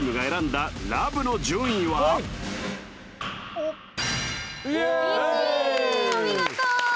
お見事！